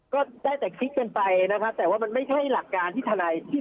ก็ได้แต่คิดกันไปแต่ว่าไม่ใช่หลักการที่ทำคดี